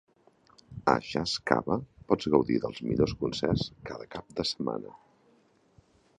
A Jazz Cava pots gaudir dels millors concerts cada cap de setmana.